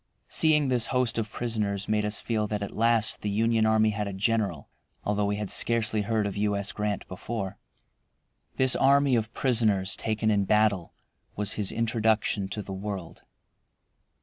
Seeing this host of prisoners made us feel that at last the Union army had a general, although we had scarcely heard of U. S. Grant before. This army of prisoners taken in battle was his introduction to the world.